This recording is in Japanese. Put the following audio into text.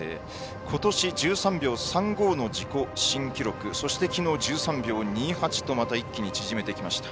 ことし１３秒３５の自己新記録そしてきのう１３秒２８と記録を縮めてきました。